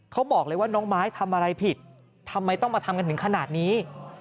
เขาบอกเลยว่าน้องไม้ทำอะไรผิดทำไมต้องมาทำกันถึงขนาดนี้